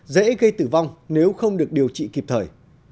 dễ gây tử vong nếu không được điều trị kịp thời